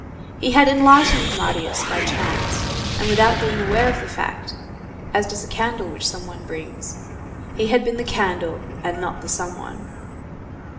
He had enlightened Marius by chance and without being aware of the fact, as does a candle which some one brings; he had been the candle and not the some one.